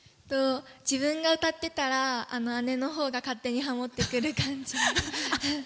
自分が歌ってたら姉のほうが勝手にハモってくる感じ。